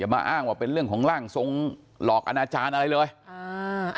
มาอ้างว่าเป็นเรื่องของร่างทรงหลอกอนาจารย์อะไรเลยอ่า